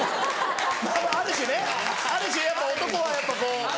ある種ねある種やっぱ男はやっぱこう。